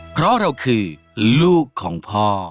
เพราะเราคือลูกของพ่อ